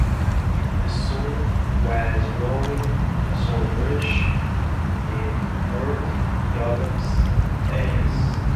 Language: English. The sun was glowing so bright it hurt Joseph's eyes.